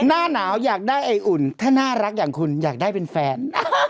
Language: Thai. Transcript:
หน้าหนาวอยากได้ไออุ่นถ้าน่ารักอย่างคุณอยากได้เป็นแฟน